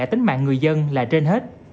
tính mạng người dân là trên hết